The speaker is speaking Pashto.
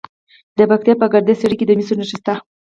د پکتیا په ګرده څیړۍ کې د مسو نښې شته.